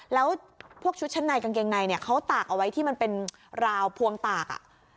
แล้วพวกชุดชั้นในกางเกงในเนี่ยเขาตากเอาไว้ที่มันเป็นราวพวงตาก